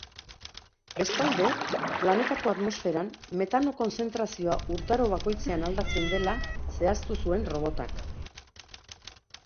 Bestalde, planetako atmosferan metano kontzentrazioa urtaro bakoitzean aldatzen dela zehaztu zuen robotak.